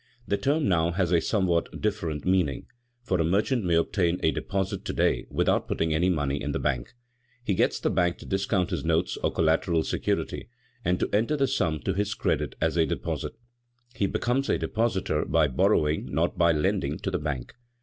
The term now has a somewhat different meaning, for a merchant may obtain a deposit to day without putting any money in the bank. He gets the bank to discount his notes or collateral security, and to enter the sum to his credit as a deposit. He becomes a depositor by borrowing, not by lending to the bank.